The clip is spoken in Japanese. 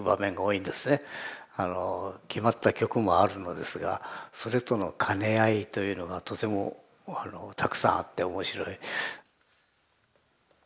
あの決まった曲もあるのですがそれとの兼ね合いというのがとてもたくさんあって面白い。